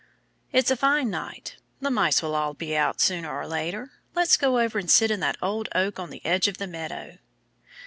"It's a fine night. The Mice will all be out sooner or later. Let's go over and sit in that old oak on the edge of the meadow!"